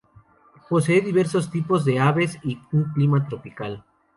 Posee diversos tipos de aves y un clima tropical.